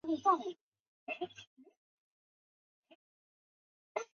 金洞县是越南兴安省下辖的一个县。